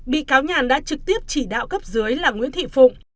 bị cáo nhàn đã trực tiếp chỉ đạo cấp dưới là nguyễn thị phụng